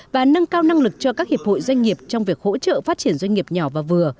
và nâng cao năng lực cho các hiệp hội doanh nghiệp trong việc hỗ trợ phát triển doanh nghiệp nhỏ và vừa